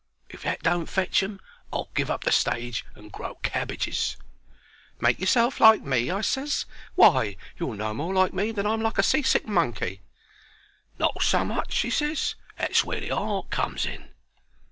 If that don't fetch 'em I'll give up the stage and grow cabbages." "Make yourself like me?" I ses. "Why, you're no more like me than I'm like a sea sick monkey." "Not so much," he ses. "That's where the art comes in."